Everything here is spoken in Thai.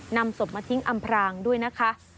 นำศพมาทิ้งอำพรางด้วยนะคะ